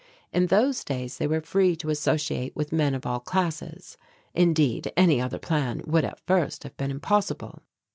In those days they were free to associate with men of all classes. Indeed any other plan would at first have been impossible.